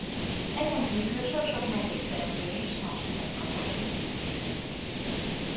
Ezenkívül sok-sok mellékszereplő is más nevet kapott.